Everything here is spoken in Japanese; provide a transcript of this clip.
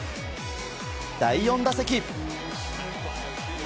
第４打席。